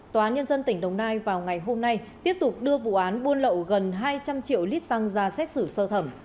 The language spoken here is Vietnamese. tòa án nhân dân tỉnh đồng nai vào ngày hôm nay tiếp tục đưa vụ án buôn lậu gần hai trăm linh triệu lít xăng ra xét xử sơ thẩm